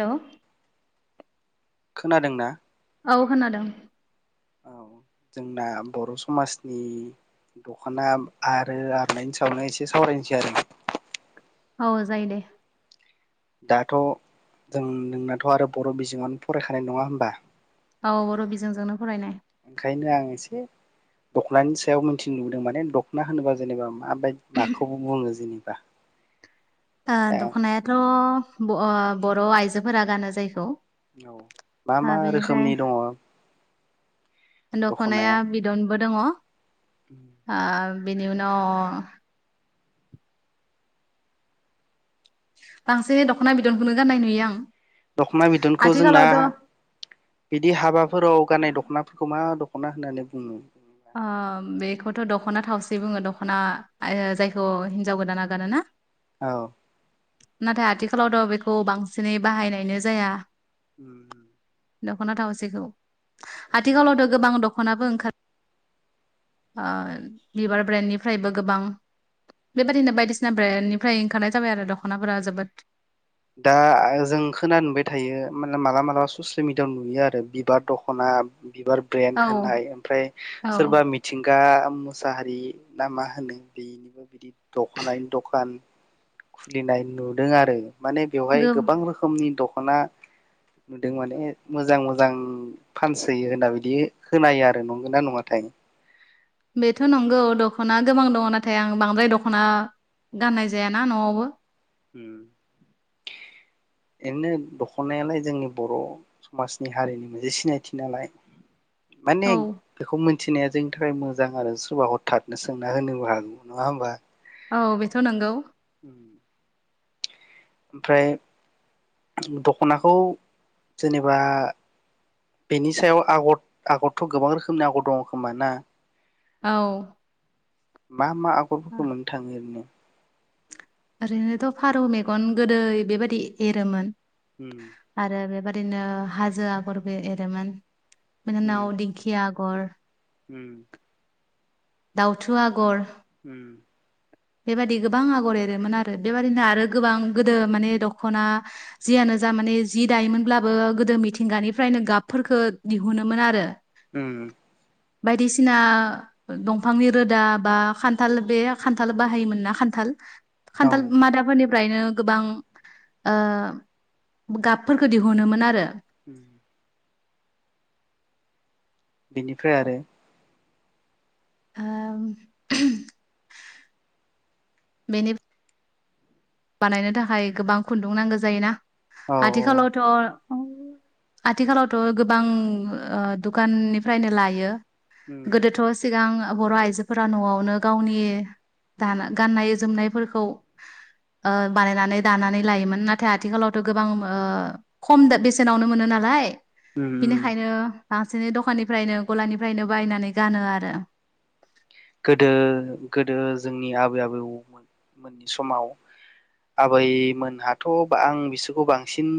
हेल' खोनादोंना? औ खोनादों। औ जोंना बर' समाजनि दख'ना आरो आर'नाइनि सायावनो एसे सावरायनोसै आरो ना? औ जायो दे दाथ' जों नोंनाथ' आरो बर' बिजोङावनो फरायखानाय नङा होमबा? औ बर' बिजोंजोंनो फरायनाय। ओंखायनो आं एसे दख'नानि सायाव मिथिनो नुबोदों माने दख'ना होनोबा जेनेबा माबायदि माखौबो बुङो जेनेबा? ता ओ दख'नायाथ' ब' ओ- बर' आइजोफोरा गानो जायखौ। औ मा ओ मा बेनिफ्राय रोखोमनि दङ? दख'नाया बिदनबो दङ। ओम बिनि उनाव बांसिन दख'ना बिदनखौनो गाननाय नुयो आं। दख'ना बिदनखौ जोंना आथिखालावथ' ओ बिदि हाबाफोराव गाननाय दखनाफोरखौ मा दख ख'ना होननानै बुङो? ओ बेखौथ' दख'ना थावसि बुङो दख'ना ओ जायखौ हिन्जाव गोदाना गानो ना? औ । नाथाय आथिखालावथ' बेखौ बांसिनै बाहायनायनो जाया । उम उम । दख'ना थावसिखौ । उम आथिखालावथ' गोबां द'ख ख'नाबो ओंखार ओ बिबार ब्रेन्डनिफ्रायबो गोबां बेबादिनो बायदिसिना ब्रेन्डनिफ्राय ओंखारनाय जाबाय आरो दख'नाफोरा जोबोद । दा जों खोनानो मोनबाय थायो माने मालाब मालाबा ससियेल मिडियाआव नुयो आरो बिबार दख'ना बिबार ब्रेन्ड औ होननाय ओमफ्राय औ सोरबा मिथिंगा उम मुसाहारि ना मा होनो बेनिबो बिदि दख'नानि दखान खुलिनाय नुदों आरो माने बेवहाय गोब गोबां रोखोमनि दख खना नुदों माने मोजां मोजां फानसोयो होनना बिदि खोनायो आरो नंगोना नङाथाय? ख'ना गोबां दङ' नाथाय आं बांद्राय दख'ना गाननाय जायाना न'आवबो । उम एनो दख'नायालाय जोंनि बर' समाजनि हारिनि मोनसे सिनायथि नालाय । माने औ बेखौ मोन थिनाया जोंनि थाखाय मोजां आरो सोरबा हरथातनो सोंना होनोबो हागौ नङा होमबा? औ बेथ' नोंगौ । ओमफ्राय दख'नाखौ जेनेबा बेनि सायाव आगर आगरथ' गोबां रोखोमनि आगर दङ' खोमा ना? औ । मा मा आगरफोरखौ मोननो थाङो ओरैनो? ओरैनोथ' फारौ मेगन गोदो बेबायदि एरोमोन उम । आरो [unintelligible] दिनो हाजो आगरबो एरोमोन उम । [unintelligible] दिंखिया गर । उम । दाउथु आगर । उम। बेबायादि गोबां आगर एरोमोन आरो बेबादिनो आरो गोबां गोदो माने दख'ना जियानो जा माने जि दायोमोनब्लाबो गोदो मिथिंगानिफ्रायनो गाबफोरखौ दिहुनोमोन आरो । उम । बायदिसिना दंफांनि रोदा बा खान्थाल बे खान्थाल बाहायोमोन ना खान्थाल । औ खान्थाल मादाबफोरनि फ्रायनो गोबां ओ गाबफोरखो दिहुनोमोन आरो । [unintelligible] बेनिफ्राय आरो ओम [unintelligible] बेनि बानायनो थाखाय गोबां खुन्दुं नांगौ जायोना औ उम आथिखालावथ' आथिखालावथ' गोबां ओ दुखान निफ्रायनो लायो। गोदोथ' सिगां बर' आइजो फोरा न'आवनो गावनि दान गाननाय जोमनाय फोरखौ ओ बानायनानै दानानै लायोमोन नाथाय आथिखालावथ' गोबां ओ खम दो बेसेनावनो मोनो नालाय। उम उम बिनिखायनो बांसिनै दखाननिलफ्रायनो गलानि फ्रायनो बायनानै गानो आरो। गोदो गोदो जोंनि आबै आबौ मोन मोननि समाव आबै मोनहाथ' आं बिसोरखौ बांसिन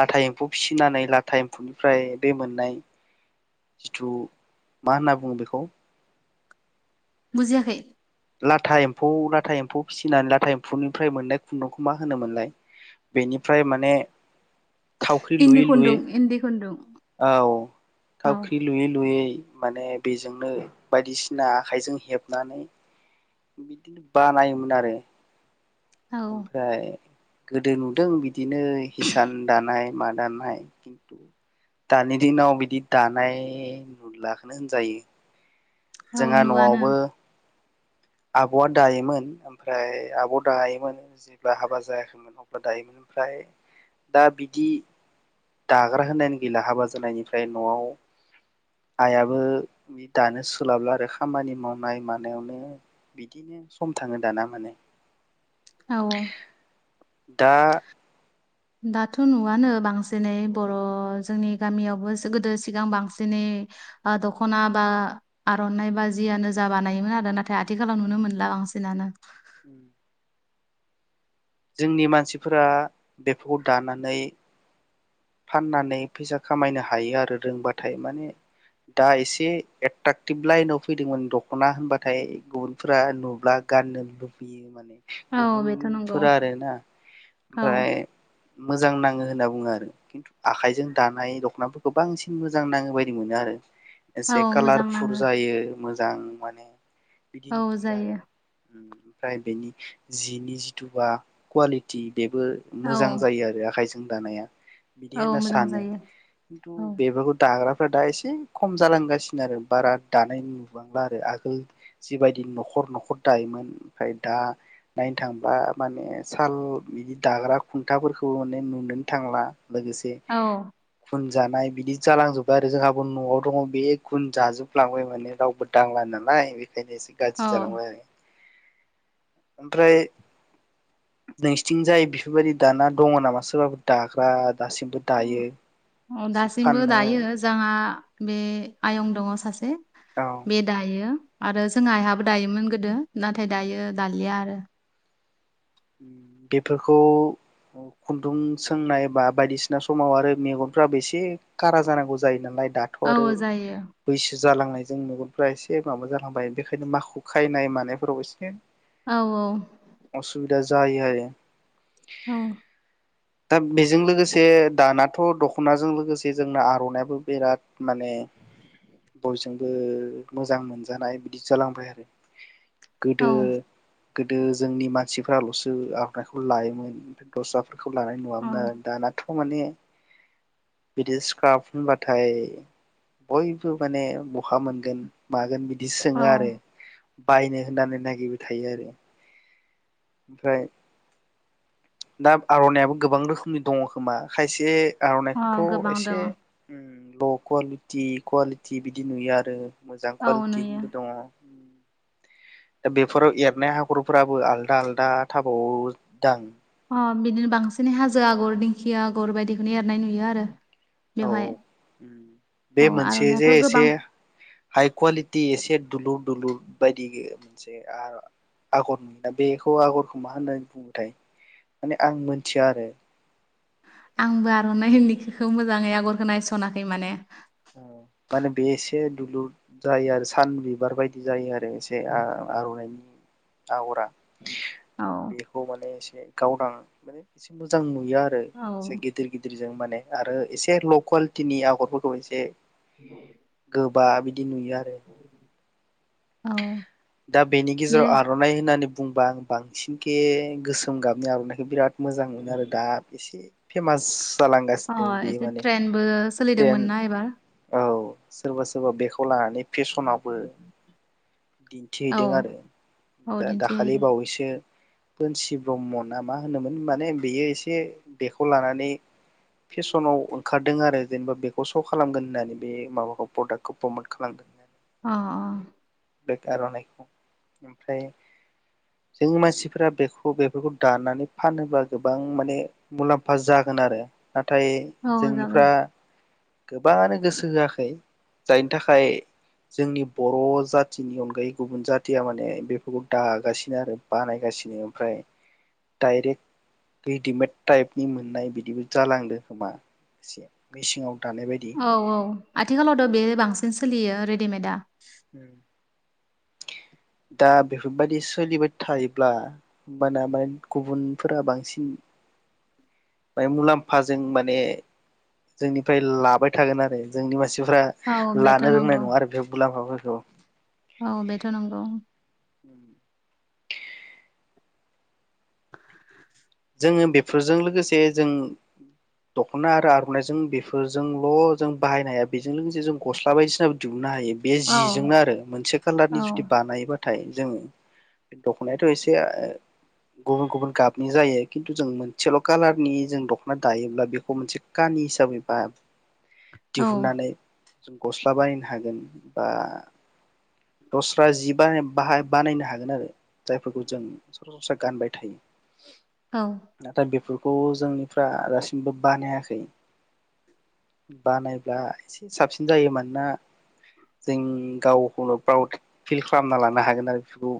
लाथा एम्फौ फिसिनानै लाथा एम्फौ निफ्राय बे मोननाय जिथु मा होनना बुङो बेखौ? बुजियाखै? लाथा एम्फौ लाथा एम्फौ फिसिनानै लाथा एम्फौनिफ्राय मोननाय खुन्दुंखौ मा होनो मोनलाय बेनिफ्राय माने थावख्रि इन्दि लुयै लुयै खुन्दुं इन्दि खुन्दुं औ औ थावख्रि लुयै लुयै माने बेजोंनो बायदिसिना आखाइजों हेबनानै बिदिनो बानायोमोन आरो। औ ओमफ्राय गोदो नुदों बिदिनो हिसान दानाय मा दानाय खिन्थु दानि दिनाव बिदि दानाय नुलाखौनो होनजायो। औ जोंहा न'आनो न'आवबो आब'आ दायोमोन आमफ्राय आब' दायोमोन जेब्ला हाबा जायाखैमोन अब्ला दायोमोन आमफ्राय दा बिदि दाग्रा होनायानो गैला हाबा जानाय निफ्राय न'आव आइयाबो बि दानो सोलाबला आरो खामानि मावनाय मानायावनो बिदिनो सम थाङो दाना माने औ औ। दा दाथ' नुवानो बांसिनै बर' जोंनि गामियाव बोसो गोदो सिगां बांसिनै आ दख'ना बा आरननाय बा जियानो जा जानायमोन आरोना। दा आथिखालाव नुनो मोनला बांसिनानो। जोंनि मानसिफ्रा बेफोरखौ दानानै फाननानै फैसा खामायनो हायो आरो रोंबाथाय माने दा एसे एट्रेकथिप लाइन आव फैदोंमोन द'खना होनबाथाय बर'फ्रा नुब्ला गाननो लुबैयो माने। औ गुबुन बेथ' नंगौ फोरा आरोना औ ओमफ्राय मोजां नाङो होनना बुङो आरो। किन्तु आखायजों दानाय दख'नाखौ गोबां सिन मोजां नाङो बायदि आरो। औ एसे मोजां खालारफुल नाङो जायो। मोजां माने बिदि औ नुयो आरो। जायो ओमफ्राय बेनि जिनि जिथु बा कुवालिटि बेबो औ मोजां जायो आरो आखाइजों दानाया। बिदि औ होनना मोजां सानो जायो किन्तु औ बेफोरखौ दाग्रा दा एसे खम जालां गासिनो आरो बारा दानाय नुबांला आरो आगोल जिबायदि नख'र नख'र दायोमोन आमफ्राय दा नायनो थांबा माने साल बिदि दाग्रा कुन्टा फोरखौ माने नुनेनो थांला। लोगोसे औ फोन जानाय बिदि जालां जोबबाय आरो जोंहाबो न'आव दङ बे गुन जाजोब लांबाय माने रावबो दांला औ नालाय। [unintelligible] ओमफ्राय नोंसिथिंजाय बिफोरबायदि दाना दङ नामा सोरबाफोर थाग्रा? औ दासिमबो फाननो दायो जांहा बे आयं दङ सासे। औ बे दायो आरो जों आइहाबो दायोमोन। गोदो नाथाय दायो दालाया आरो बेफोरखौ खुन्दुं सोंनाय बा बायदिसिना समाव आरो मेगनफोराबो एसे गारां जानांगौ जायो नालाय। दाथ' आरो औ जायो बैसो जालांनायजों मेगनफ्रा एसे माबा जालांबाय बेखायनो माखु खायनाय मानायफोराव एसे औ औ दा जायो आरो औ दा बेजों लोगोसे दानाथ' दख'नाजों लोगोसे जोंना आर'नायाबो बिराद माने बयजोंबो मोजां मोनजानाय बिदि जालांबाय आरो। औ गोदो गोदो जोंनि मा सिफ्राल'सो आर'नाइखौ लायोमोन दस्रा फोरखौ लानाय औ नुवामोन आरो दा नाथ खौ माने बिदि स्काप होनबाथाय बयबो माने बहा मोनगोन मागोन बि बिदि औ सोङो आरो बायनो होननानै नागिरबाय थायो आरो ओमफ्राय दा आर'नायाबो गोबां रोखोमनि दङ खोमा खायसे अ आर'नाइखौथ' गोबां दङ एसे उम ल' कुवालिटि कुवालिटि बिदि नुयो आरो मोजां औ नुयो कुवालिटिनिबो दङ। दा बेफोराव एरनाय हागरफोराबो आलदा आलदा थाबाव दां अ बिदिनो बांसिन हाजो आगर दिंखिया आगर बायदिखौनो एरनाय नुयो आरो। औ औ बेवहाय बे अ मोनसे आर'नाइाथ' जे एसे गोबां हाइ कुवालिटि एसे दुलुर दुलुर बायदि मोनसे आर आगर नुयोना बेखौ आगरखौ मा होननानै बुङोथाय माने आं मोनथिया आरो आंबो आर'नाइ इनिखौखौ मोजाङै आगरखौ नायस'नाखै माने। ओ माने बे एसे दुलुर जायो आरो सान बिबार बायदि जायो आरो आरो एसे आ-आर'नाइनि आगरा औ बिखौ माने गावदां माने एसे मोजां नु यो आरो औ से गिदिर गिदिर जों माने आरो एसे ल' कुवालिति आगरफोरखौ ए गोब बा बिदि नुयो आरो औ दा बेनि बे गेजेराव आर'नाइ होननानै बुंबा आं बांसिनके गोसोम गाबनि आर'नाइखौ बिराद मोजां मोनो आरो दा एसे फेमास अ जालांगासिनो बे एसे माने ट्रेनबो ट्रेन सोलिदोंमोन ना एबार औ सोरबा सोरबा बेखौ लानानै फेसनावबो [inaudible] औ दिन्थिहैदों आरो औ दा दाखालि दिन्थिहैदों बावैसो बोनसि ब्रह्म ना मा होनोमोन माने बेयो एसे बेखौ लानानै फेसनाव ओंखार दों आरो जेनेबा बेखौ श' खालामगोन होननानै बे माबाखौ प्रडाक्टखौ प्रमट खालामदों अ अ बेग आर'नाइखौ ओमफ्राय जों मानसिफोरा बेखौ बेफोरखौ दानानै फानोब्ला गोबां माने मुलाम्फा जागोन आरो नाथाय औ जागोन जोंनिफ्रा गोबाङानो गोसो होआखै जायनि थाखाय जोंनि बर' जाथ थिनि अनगायै गुबुन जाथिया माने बेफोरखौ दागासिनो आरो बानायगासिनो ओमफ्राय डाइरेक्ट रेडिमेड टाइपनि मोननाय बिदिबो जालांदों खोमा एसे मिसिङाव औ औ आथिखालावथ' बे बांसिन सोलियो रेडिमेदा उम दा बेफोरबायदि सोलिबाय थायोब्ला होमबाना मान गुबुनफोरा बांसिन बाय मुलाम्फाजों माने जोंनिफ्राय लाबाय थागोन आरो जोंनि मानसि सिफ्रा औ बेथ' लानो रोंनाय नंगौ नङा आरो बे मुलाम्फाफोरफोर द औ बेथ' नंगौ [unintelligible] जोङो बेफोरजों लोगोसे जों दख'ना आरो आर'नाइजों बेफोरजोंल' जों बाहायनो हाया बेजों लोगोसे जों गस्ला बायदिसिनाबो दि हुनो हायो बे औ जिजोंनो आरो मोनसे कालारनि औ जुदि बानायोबा थाय जों दख'नायाथ' एसे गुबुन गुबुन गाबनि जायो खिन्थु जों मोनसेल' कालारनि जों दख'ना दायोब्ला बेखौ मोनसे कानि हिसाबै बा औ दिहुननानै जों गस्ला बायनो हागोन बा दस्रा जि बानाय बाहाय बानायनो हागोन आरो जायफोरखौ जों सरासस्रा गानबाय थायो औ नाथाय बेफोर खौ जोंनिफ्रा दासिमबो बानायाखै बानायब्ला एसे साबसिन जायो मान ना जों गावखौ प्राउड फिल खालामना लानो हागोन आरो बेफोरखौ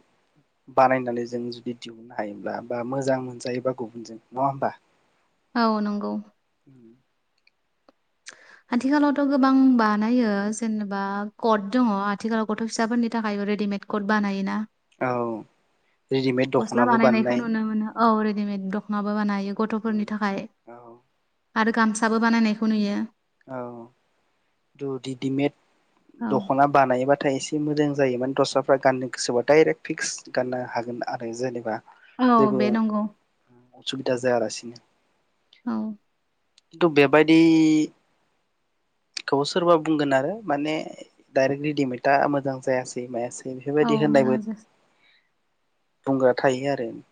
बानायनानै जों जुदि दिहुननो हायोब्ला बा मोजां मोनजायोबा गुबुनजों नङा होमबा? औ नंगौ । उम आथिखालावथ' गोबां बानायो जेनेबा कट दङ आथिखालाव गथ' फिसाफोरनि थाखायबो रेडिमेड कट बानायोना औ रेडिमेद दख'नाबो बानायनाय । रेडिमेद दख'नाबो बानायो । गथ'फोरनि थाखाय औ । आरो गामसाबो बानायनायखौ नुयो । औ दु डिडिमेट औ दख'ना बानायोबाथाय एसे हि मोजां जायोमोन दस्राफ्रा गाननो गोसोबा डाइरेक्ट फिक्स गाननो हागोन आरो जेनेबा । औ बे नंगौ । उसुबिदा जाया लासिनो । औ थ बेबायदि खौ सोरबा बुंगोन आरो माने डाइरेक्ट रेडिमेदा मोजां जायासै मायासै औ बेफोरबायदि मोजां होननायबो जास बुंग्रा थायो आरो ।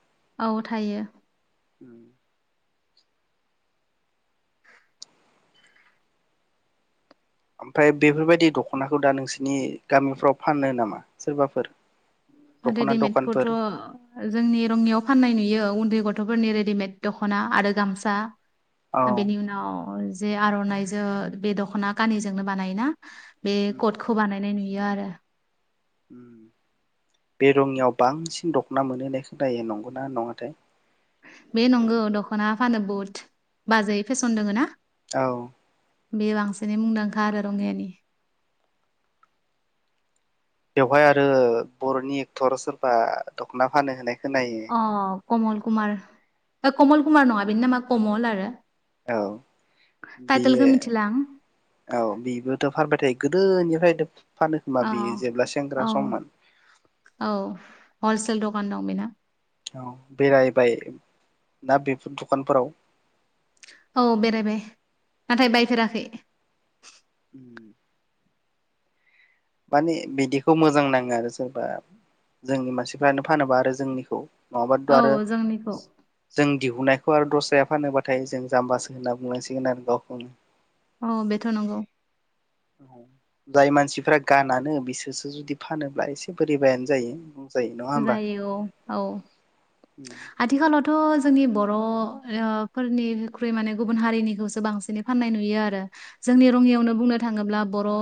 औ थायो । [unintelligible] ओमफाय बेफोरबायदि दख'नाखौ दा नोंसोरनि गामिफ्राव फानो नामा सोरबाफोर? दख'ना रेडिमेडखौथ' दखानफोर जोंनि रंगियाव फाननाय नुयो उन उन्दै गथ'फोरनि रेडिमेद दख'ना आरो गामसा औ । हा बेेनि उनाव जे आर'नाइजों बे दख'ना कानिजोंनो बानायोना? बे उम कटखौ बानायनाय नुयो । नुयो आरो बे रंगियाव बांसिन दख'ना मोनो होनाय खोनायो नंगौना नंङाथाय? बे नंगौ दख'ना फानो बुट बाजै फेसन दोङोना? औ बे बांसिनै मुंदांखा आरो रंगियानि । बेवहाय आरो बर'नि एक्टर सोरबा दख'ना फानो होनाय खोनायो अ कमल कुुमार कमल कुमार नंङा बेनि नामा कमल आरो । औ बियो मिथिला औ बिबोथ' फानबाय थायो? गोदोनिफ्रायनो फानो खोमा औ बियो जेब्ला सेंग्रा औ सममोन औ हलसेेल द मान दं बिना औ बेरायबाय ना बेफोर दखानफोराव? औ बेरायबाय नाथाय बायफेराखै। [inaudible] माने बिदिखौ मोजां नांङो आरो सोरबा जोंनि मानसिफ्रानो फानोबा आरो जोंनिखौ नंङाबाथ' औ आरो जोंनिखौ जों दिहुननायखौ आरो दस्राया फानोबाथाय जों जाम्बासो होनना बुंनांसिगोन आरो गावखौनो। औ बेथ' नंगौ। जाय मानसिफ्रा गानानो बिसोरसो जुदि फानोब्ला एसे बोरैबायानो जायो। बुंजायो नङा होमबा? जायो औ औ आथिखालावथ' जोंनि ब र' ओ फोरनिख्रुइ माने गुबुन हारिनिखौसो बांसिनै फाननाय नुयो आरो। जोंनि उम रङियावनो बुंनो थांङोब्ला बर'